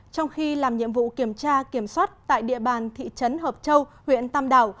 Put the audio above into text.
trong khi làm nhiệm vụ kiểm tra kiểm soát tại địa bàn thị trấn hợp châu huyện tam đảo